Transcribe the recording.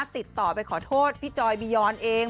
ติดต่อไปขอโทษพี่จอยบียอนเอง